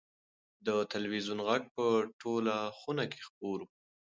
د تلویزون غږ په ټوله خونه کې خپور و.